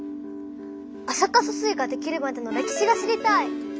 安積疏水ができるまでの歴史が知りたい！